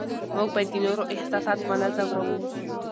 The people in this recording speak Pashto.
موږ باید د نورو احساسات ونه ځورو